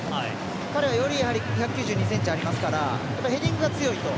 彼は１９２ｃｍありますからヘディングが強いと。